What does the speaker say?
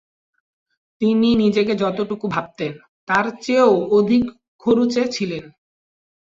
তিনি নিজেকে যতটুকু ভাবতেন, তার চেয়েও অধিক খরুচে ছিলেন।